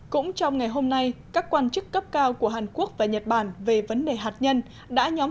cũng trong ngày hôm nay các quan chức cấp cao của hàn quốc và nhật bản về vấn đề hạt nhân đã nhóm